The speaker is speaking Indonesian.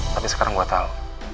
tapi sekarang gue tau